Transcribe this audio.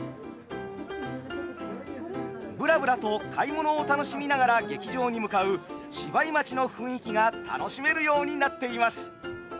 ぶらぶらと買い物を楽しみながら劇場に向かう芝居待ちの雰囲気が楽しめるようになっています。